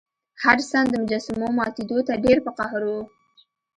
هډسن د مجسمو ماتیدو ته ډیر په قهر و.